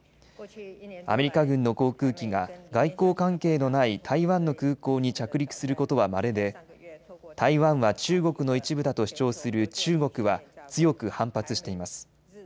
アメリカ軍の航空機が外交関係のない台湾の空港に着陸することはまれで台湾は中国の一部だと主張する中国は強く反発しています。